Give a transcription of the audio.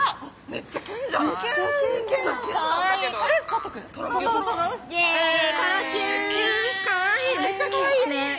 めっちゃかわいいね！